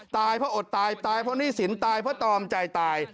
ตายเพราะอดตายตายเพราะหนี้สินตายเพราะตอมใจตาย